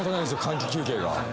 換気休憩が。